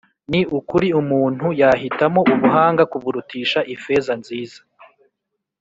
ni ukuri umuntu yahitamo ubuhanga kuburutisha ifeza nziza